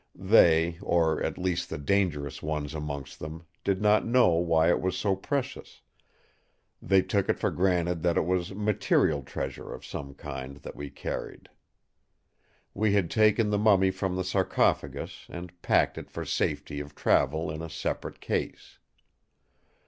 They, or at least the dangerous ones amongst them, did not know why it was so precious; they took it for granted that it was material treasure of some kind that we carried. We had taken the mummy from the sarcophagus, and packed it for safety of travel in a separate case.